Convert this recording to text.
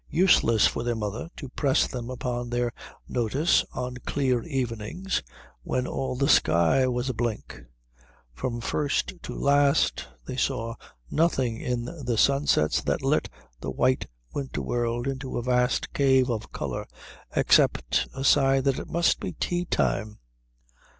Useless for their mother to press them upon their notice on clear evenings when all the sky was a blink. From first to last they saw nothing in the sunsets that lit the white winter world into a vast cave of colour except a sign that it must be tea time.